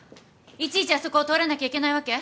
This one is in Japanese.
いちいちあそこを通らなきゃいけないわけ！？